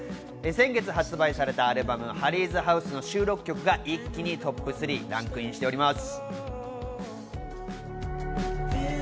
先月発売されたアルバム『ハリーズ・ハウス』の収録曲が一気にＴＯＰ３にランクインしています。